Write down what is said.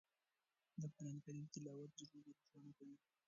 د قرآن کریم تلاوت زړونه روښانه کوي.